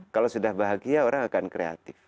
kalau sudah bahagia orang akan kreatif